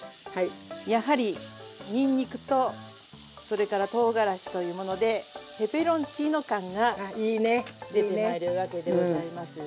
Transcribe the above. やはりにんにくとそれからとうがらしというものでペペロンチーノ感が出てまいるわけでございます。